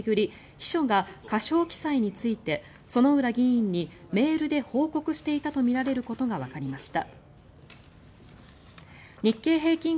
秘書が過少記載について薗浦議員にメールで報告していたとみられることがわかりました。